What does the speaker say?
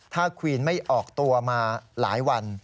ถ้าควีนไม่ออกตัวมาหลายวัน